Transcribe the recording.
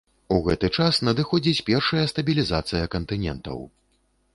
У гэты час надыходзіць першая стабілізацыя кантынентаў.